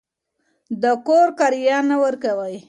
د کور کرایه نه ورکوئ.